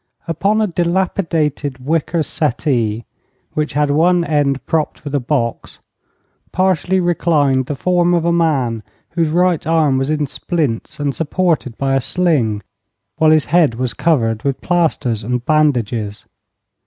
Upon a dilapidated wicker settee, which had one end propped with a box, partially reclined the form of a man whose right arm was in splints and supported by a sling, while his head was covered with plasters and bandages.